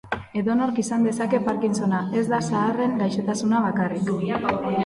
Edornok izan dezake parkinsona, ez da zaharren gaixotasuna bakarrik.